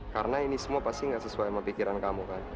karena ini semua pasti nggak sesuai sama pikiran kamu kan